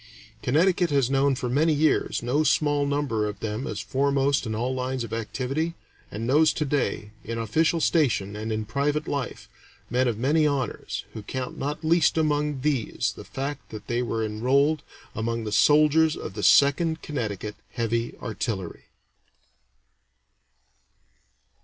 Connecticut has known for many years no small number of them as foremost in all lines of activity, and knows to day, in official station and in private life, men of many honors, who count not least among these the fact that they were enrolled among the soldiers of the Second Connecticut Heavy Artillery.